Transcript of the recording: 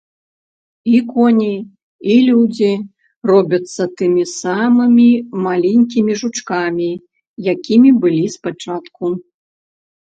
І коні, і людзі робяцца тымі самымі маленькімі жучкамі, якімі былі спачатку.